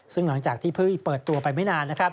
ซึ่งหลังจากที่เพิ่งเปิดตัวไปไม่นานนะครับ